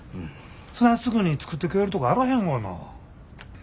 そないすぐに作ってくれるとこあらへんがな。